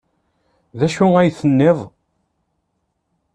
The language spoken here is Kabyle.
D acu ay d-tenniḍ?